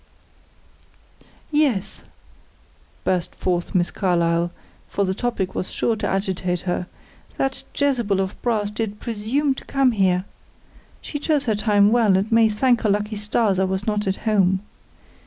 "Yes," burst forth Miss Carlyle, for the topic was sure to agitate her, "that Jezebel of brass did presume to come here! She chose her time well, and may thank her lucky stars I was not at home.